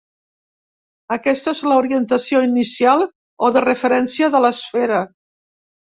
Aquesta és la orientació inicial o de referència de l'esfera.